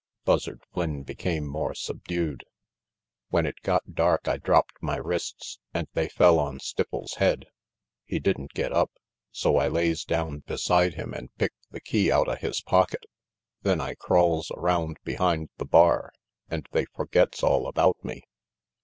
" Buzzard Flynn became much subdued. "When it got dark I dropped my wrists and they fell on Stipples' head. He did'n get up, so I lays down beside him and picked the key outa his pocket. Then I crawls around behind the bar, and they forgets all about me."